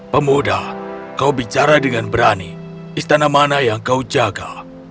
pemuda kau bicara dengan berani istana mana yang kau jaga